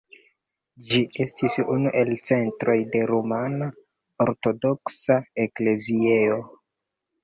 Ĝi estis unu el centroj de rumana ortodoksa ekleziejo.